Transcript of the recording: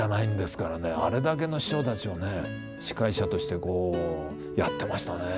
あれだけの師匠たちをね司会者としてこうやってましたね。